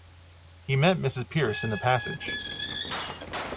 He met Mrs. Pearce in the passage.